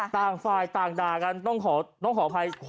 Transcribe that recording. ต่างฝ่ายต่างด่ากันต้องขออภัย